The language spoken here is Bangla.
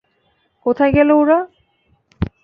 কোথায় গেলো ওরা?